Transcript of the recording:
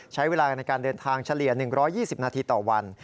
ใช้เวลาในการเดินทางเฉลี่ย๑๒๐นาทีต่อวัน